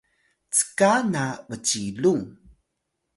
cka na bcilung